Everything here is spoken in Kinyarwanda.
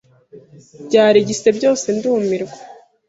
Byarigise byose ndumirwa